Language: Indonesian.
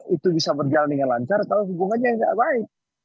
itu bisa berjalan dengan lancar kalau hubungannya nggak baik